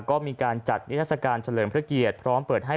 ก็มีการจัดนิทัศกาลเฉลิมพระเกียรติพร้อมเปิดให้